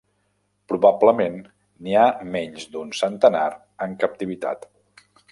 Probablement n'hi ha menys d'un centenar en captivitat.